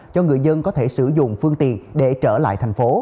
cho người dân có thể sử dụng phương tiện để trở lại thành phố